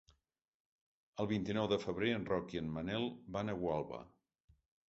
El vint-i-nou de febrer en Roc i en Manel van a Gualba.